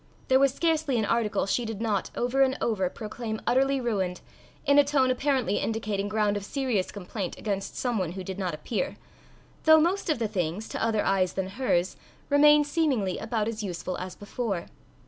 There was scarcely an article she did not, over and over, proclaim utterly ruined, in a tone apparently indicating ground of serious complaint against some one who did not appear, though most of the things, to other eyes than hers, remained seemingly about as useful as before.